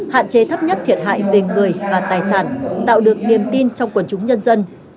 hạn chế thấp nhất thiệt hại về người và tài sản tạo được niềm tin trong quần chúng nhân dân